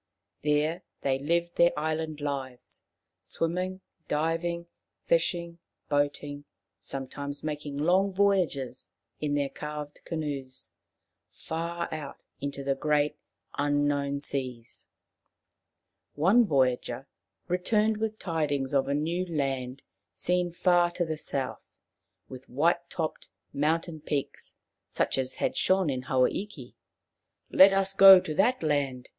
There they lived their island lives, swimming, diving, fishing, boating ; sometimes making long voyages in their carved canoes far out into the great unknown seas. One voyager returned with tidings of a new land seen far to the south, with white topped mountain peaks such as had shone in Hawa iki. " Let us go to that land.